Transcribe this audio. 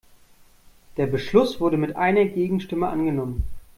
Der Beschluss wurde mit einer Gegenstimme angenommen.